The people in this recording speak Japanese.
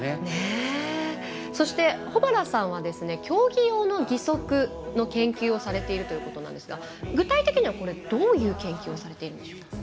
そして、保原さんは競技用の義足の研究をされているそうですが具体的にはこれ、どういう研究をされているんでしょうか？